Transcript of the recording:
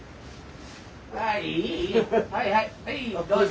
はいはいはいどうぞ。